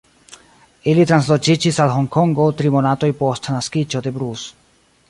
Ili transloĝiĝis al Honkongo tri monatoj post naskiĝo de Bruce.